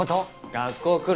学校来る